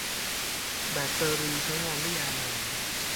แบตเตอรีใช้งานได้ยาวนาน